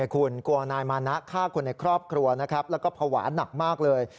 กลัวนายมานักฆ่าคนในครอบครัวแล้วก็ผวานหนักมากเลย